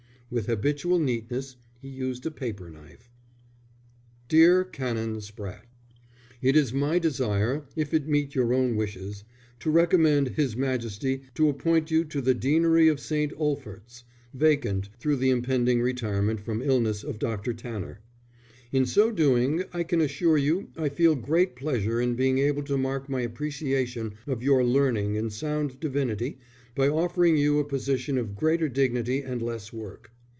With habitual neatness he used a paper knife. DEAR CANON SPRATTE, _It is my desire, if it meet your own wishes, to recommend His Majesty to appoint you to the Deanery of St. Olphert's, vacant through the impending retirement from illness of Dr. Tanner. In so doing, I can assure you I feel great pleasure in being able to mark my appreciation of your learning and sound divinity by offering you a position of greater dignity and less work.